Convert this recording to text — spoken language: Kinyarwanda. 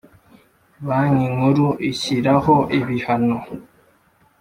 Banki nkuru ishyiraho ibihano